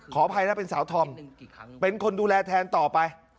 อภัยนะเป็นสาวธอมเป็นคนดูแลแทนต่อไป